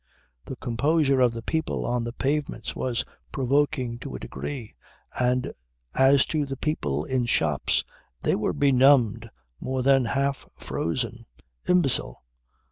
The composure of the people on the pavements was provoking to a degree, and as to the people in shops, they were benumbed, more than half frozen imbecile.